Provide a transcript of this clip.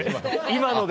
今ので。